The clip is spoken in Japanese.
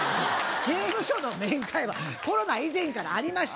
刑務所の面会はコロナ以前からありました